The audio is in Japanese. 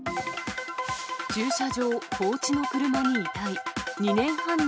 駐車場放置の車に遺体。